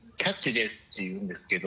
ですって言うんですけど。